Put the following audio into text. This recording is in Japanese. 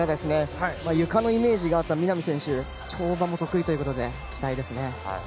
ゆかのイメージがあった南選手跳馬も得意ということで期待ですね。